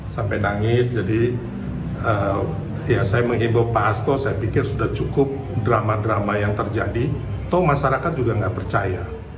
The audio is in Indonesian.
sampai nangis jadi ya saya menghibur pak asto saya pikir sudah cukup drama drama yang terjadi atau masyarakat juga nggak percaya